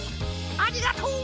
ありがとう。